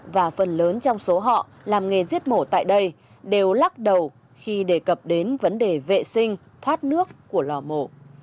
và phần lớn trong số họ làm nghề giết mổ tại đây đều lắc đầu khi đề cập đến vấn đề vệ sinh thoát nước của lò mổ